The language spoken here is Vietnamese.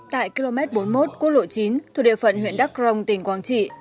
tại km bốn mươi một quốc lộ chín thuộc địa phận huyện đắc rồng tỉnh quảng trị